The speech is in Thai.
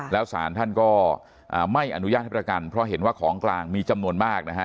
แล้วสารท่านก็ไม่อนุญาตให้ประกันเพราะเห็นว่าของกลางมีจำนวนมากนะฮะ